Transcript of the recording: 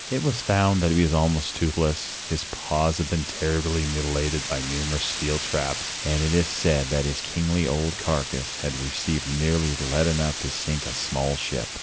It was found that he was almost toothless, his paws had been terribly mutilated by numerous steel traps, and it is said that his kingly old carcass had received nearly lead enough to sink a small ship.